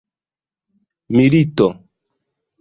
milito